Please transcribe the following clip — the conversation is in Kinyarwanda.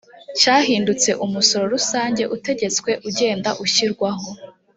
cyahindutse umusoro rusange utegetswe ugenda ushyirwaho